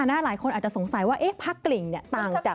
หลายคนอาจจะสงสัยว่าพักกลิ่งต่างจาก